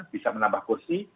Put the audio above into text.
bisa menambah kursi